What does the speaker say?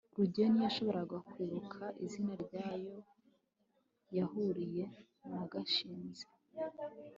rugeyo ntiyashoboraga kwibuka izina ryaho yahuriye na gashinzi